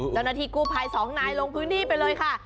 เจ้าหน้าที่กู้ภัยสองนายลงพื้นที่ไปเลยค่ะ